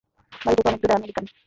বাড়ি থেকে অনেক দূরে, আমেরিকান।